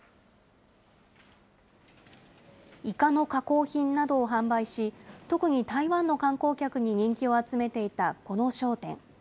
イカの加工品などを販売し、特に台湾の観光客に人気を集めていたこの商店。